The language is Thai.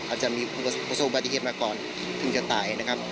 อาจจะมีประสบบัติเหตุมาก่อนเพิ่งจะตายนะครับ